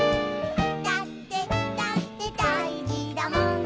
「だってだってだいじだもん」